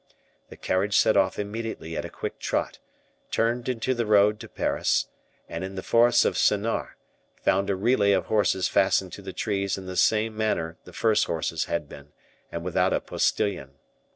The carriage set off immediately at a quick trot, turned into the road to Paris, and in the forest of Senart found a relay of horses fastened to the trees in the same manner the first horses had been, and without a postilion.